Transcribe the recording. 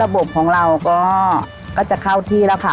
บของเราก็จะเข้าที่แล้วค่ะ